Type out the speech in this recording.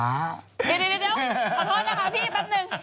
เดี๋ยวขอโทษนะคะพี่แป๊บนึง